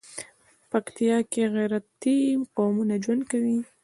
پکتيا کې غيرتي قومونه ژوند کوي.